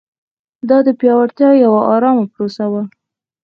دا د پیاوړتیا یوه ارامه پروسه وه.